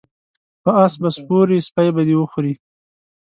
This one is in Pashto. په اس به سپور یی سپی به دی وخوري